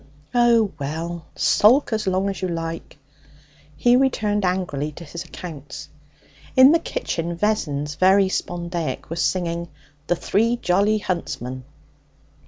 'Oh, well, sulk as long as you like.' He returned angrily to his accounts. In the kitchen Vessons, very spondaic, was singing 'The Three Jolly Huntsmen.'